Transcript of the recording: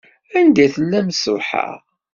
Anda i tellamt ṣṣbeḥ-a?